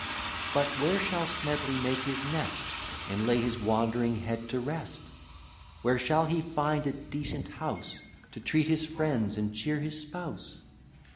But where shall Smedley make his nest, And lay his wandering head to rest? Where shall he find a decent house, To treat his friends and cheer his spouse?